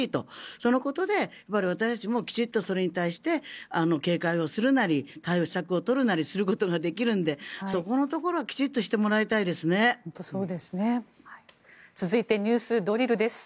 そのことで私たちもきちんとそれに対して警戒をするなり対応策を取るなりすることができるわけなのでそこのところはきちんとしてもらいたいですね。